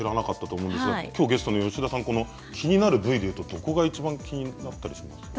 きょうゲストの吉田さん気になる部位でいうとどこがいちばん気になったりしますか？